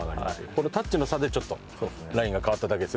このタッチの差でちょっとラインが変わっただけです。